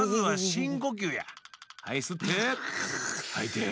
はい。